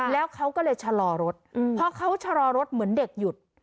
แล้วเขาก็เลยชะลอรถพอเขาชะลอรถเหมือนเด็กหยุด